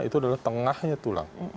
itu adalah tengahnya tulang